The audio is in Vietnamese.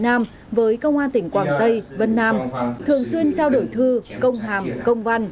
nam với công an tỉnh quảng tây vân nam thường xuyên trao đổi thư công hàm công văn